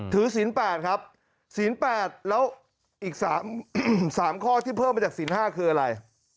ถือศิลป์๘ครับศิลป์๘แล้วอีก๓ข้อที่เพิ่มมาจากศิลป์๕คืออะไร